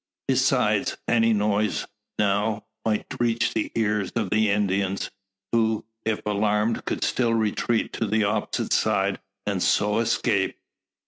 Besides, any noise, now, might reach the ears of the Indians, who, if alarmed, could still retreat to the opposite side, and so escape.